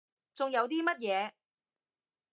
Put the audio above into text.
仲有啲乜嘢？